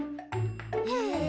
へえ。